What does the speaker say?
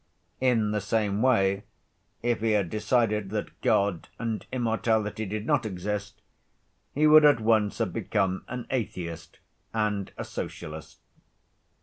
In the same way, if he had decided that God and immortality did not exist, he would at once have become an atheist and a socialist.